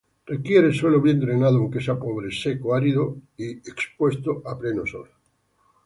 Requiere suelo bien drenado aunque sea pobre, seco árido y exposición a pleno sol.